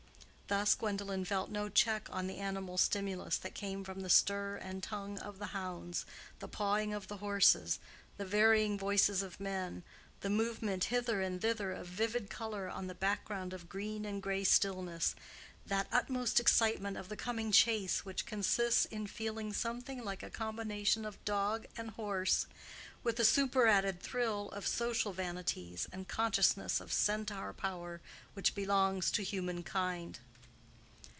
Thus Gwendolen felt no check on the animal stimulus that came from the stir and tongue of the hounds, the pawing of the horses, the varying voices of men, the movement hither and thither of vivid color on the background of green and gray stillness:—that utmost excitement of the coming chase which consists in feeling something like a combination of dog and horse, with the superadded thrill of social vanities and consciousness of centaur power which belongs to humankind.